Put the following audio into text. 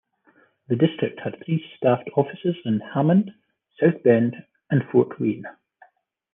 The district has three staffed offices in Hammond, South Bend and Fort Wayne.